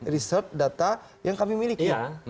research data yang kami miliki